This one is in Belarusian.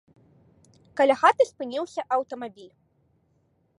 Каля хаты спыніўся аўтамабіль.